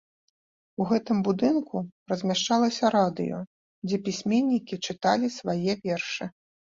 У гэтым будынку размяшчалася радыё, дзе пісьменнікі чыталі свае вершы.